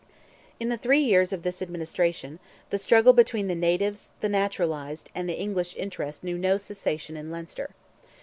In the three years of this administration, the struggle between the natives, the naturalized, and the English interest knew no cessation in Leinster.